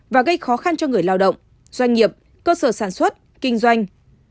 và gây khó khăn cho người lao động doanh nghiệp cơ sở sản xuất kinh doanh